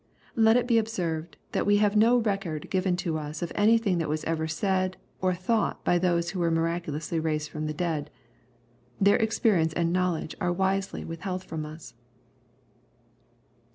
Let it be observed, that we have no record given to us of any thing that was ever said or thought by those who were miracu lously raised from the dead. Their experience and knowledge are wisely withheld from us.